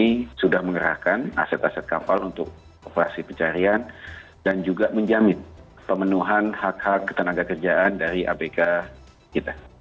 kami sudah mengerahkan aset aset kapal untuk operasi pencarian dan juga menjamin pemenuhan hak hak ketenaga kerjaan dari abk kita